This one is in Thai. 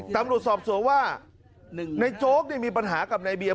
ตำรวจสอบสวมว่าหนึ่งในโจ๊กเนี่ยมีปัญหากับในเบีย